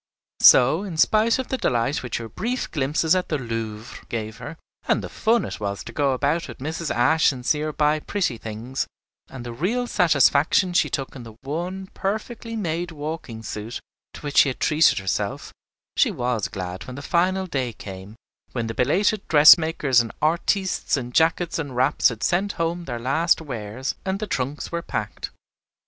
So, in spite of the delight which her brief glimpses at the Louvre gave her, and the fun it was to go about with Mrs. Ashe and see her buy pretty things, and the real satisfaction she took in the one perfectly made walking suit to which she had treated herself, she was glad when the final day came, when the belated dressmakers and artistes in jackets and wraps had sent home their last wares, and the trunks were packed.